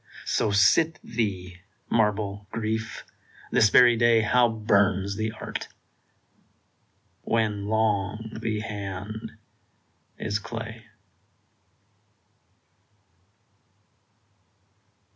So sit thee, marble Grief ! this very day How burns the art when long the hand is clay